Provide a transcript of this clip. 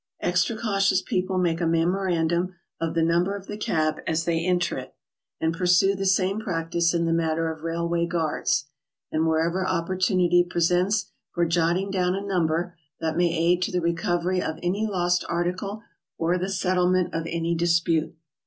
Extra cautious people make a memorandum of the number of a cab as they enter it, and pursue the same practice in the matter of railway guards, and wherever opportunity presents for lotting down a number that may aid to the recovery of any lost article or the settlement of any dispute.